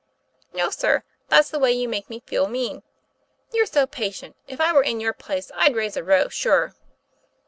"No, sir; that's the way you make me feel mean. You're so patient. If I were in your place, I'd raise a row, sure."